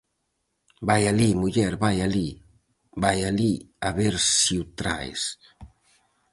Vai alí, muller, vai alí; vai alí a ver se o traes.